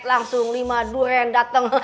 langsung lima duren dateng